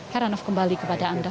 heranov kembali kepada anda